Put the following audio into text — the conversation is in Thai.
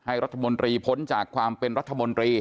รัฐมนตรีพ้นจากความเป็นรัฐมนตรี